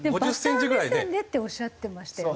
「バッター目線で」っておっしゃってましたよね。